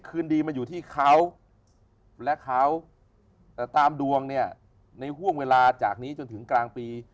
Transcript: คืนดีมาอยู่ที่เขาและเขาแต่ตามดวงเนี่ยในห่วงเวลาจากนี้จนถึงกลางปี